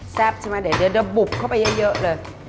ใช่ไหมเดี๋ยวจะบุบเข้าไปเยอะเลย